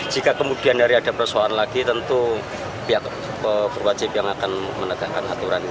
jika kemudian hari ada persoalan lagi tentu pihak berwajib yang akan menegakkan aturan